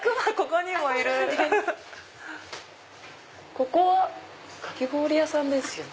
ここはかき氷屋さんですよね？